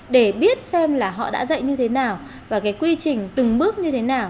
để biết xem là họ đã dạy như thế nào và cái quy trình từng bước như thế nào